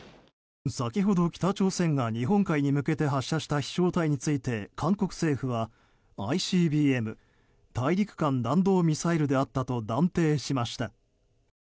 先ほど、北朝鮮が日本海に向けて発射した飛翔体について韓国政府はＩＣＢＭ・大陸間弾道ミサイルであったと断定しました。